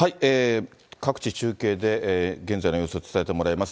各地中継で、現在の様子を伝えてもらいます。